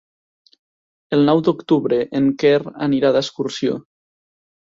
El nou d'octubre en Quer anirà d'excursió.